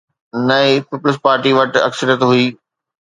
نه ئي پيپلز پارٽي وٽ اڪثريت هئي.